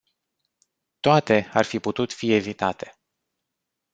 Toate ar fi putut fi evitate.